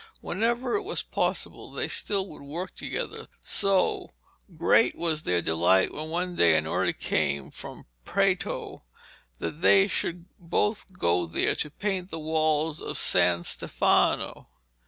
Whenever it was possible they still would work together; so, great was their delight when one day an order came from Prato that they should both go there to paint the walls of San Stefano.